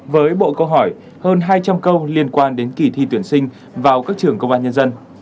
với bộ câu hỏi hơn hai trăm linh câu liên quan đến kỳ thi tuyển sinh vào các trường công an nhân dân